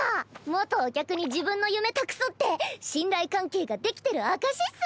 元お客に自分の夢託すって信頼関係ができてる証しっス。